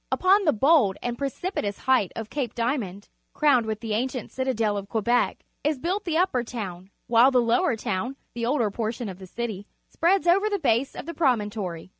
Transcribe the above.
Upon the bold and precipitous height of Cape Diamond, crowned with the ancient citadel of Quebec, is built the Upper Town, while the Lower Town — the older portion of the city — spreads over the base of the promontory.